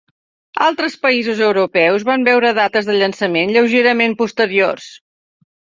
Altres països europeus van veure dates de llançament lleugerament posteriors.